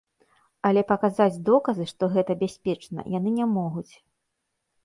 Але паказаць доказы, што гэта бяспечна, яны не могуць.